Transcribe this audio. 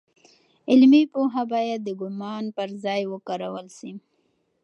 علمي پوهه باید د ګومان پر ځای وکارول سي.